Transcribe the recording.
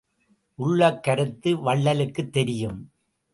உள்ளக் கருத்து வள்ளலுக்குத் தெரியும்.